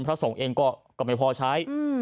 พระสงฆ์เองก็ไม่พอใช้